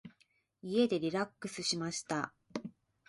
家でリラックスしました。